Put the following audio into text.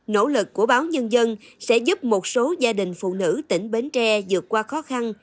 nỗ lực của báo nhân dân sẽ giúp một số gia đình phụ nữ tỉnh bến tre dược qua khó khăn